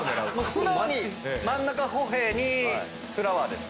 素直に真ん中ホヘイにフラワーです。